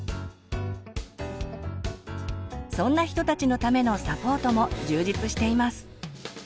そんな人たちのためのサポートも充実しています。